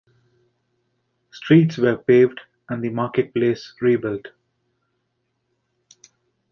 Streets were paved and the marketplace rebuilt.